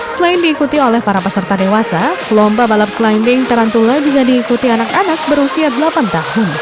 selain diikuti oleh para peserta dewasa lomba balap climbing tarantula juga diikuti anak anak berusia delapan tahun